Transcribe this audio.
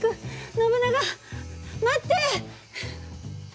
ノブナガ待って！